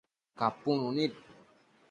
capunu nid